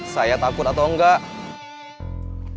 saya takut atau enggak